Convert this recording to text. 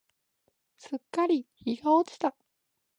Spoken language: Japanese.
すっかり日が落ちた。